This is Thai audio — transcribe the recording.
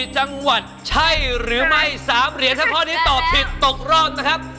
๔จังหวัดใช่หรือไม่๓เหรียญถ้าข้อนี้ตอบผิดตกรอบนะครับ